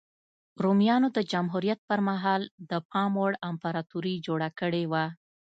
رومیانو د جمهوریت پرمهال د پام وړ امپراتوري جوړه کړې وه